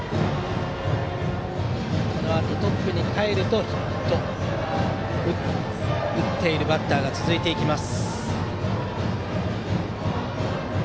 このあと、トップにかえると打っているバッターが続きます。